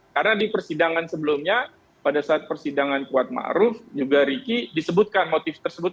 karena di persidangan sebelumnya pada saat persidangan kuatma'ruf juga riki disebutkan motif tersebut